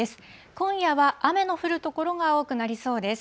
今夜は雨の降る所が多くなりそうです。